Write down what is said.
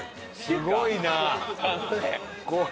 すごいなあ！